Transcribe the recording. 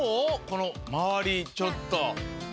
このまわりちょっと。